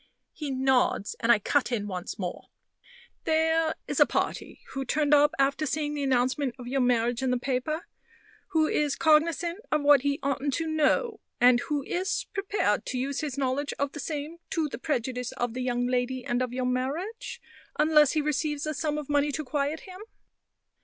(He nods, and I cut in once more): "There is a party, who turned up after seeing the announcement of your marriage in the paper, who is cognizant of what he oughtn't to know, and who is prepared to use his knowledge of the same to the prejudice of the young lady and of your marriage, unless he receives a sum of money to quiet him?